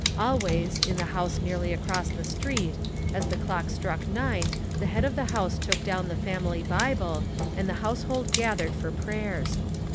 Always, in the house nearly across the street, as the clock struck nine the head of the house took down the family Bible and the house hold gathered for prayers.